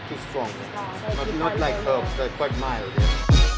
tidak terlalu kuat tidak seperti herba agak sedikit